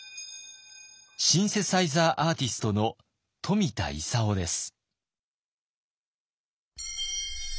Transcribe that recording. シンセサイザー・アーティストの冨田勲です。